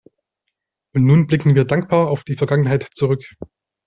Und nun blicken wir dankbar auf die Vergangenheit zurück.